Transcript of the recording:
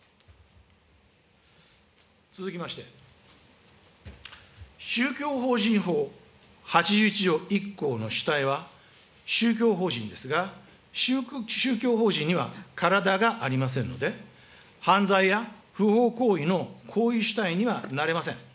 続きまして、宗教法人法８１条１項の主体は、宗教法人ですが、宗教法人には体がありませんので、犯罪や不法行為の行為主体にはなれません。